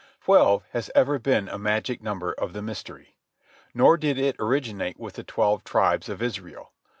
Twelve has ever been a magic number of the Mystery. Nor did it originate with the twelve tribes of Israel.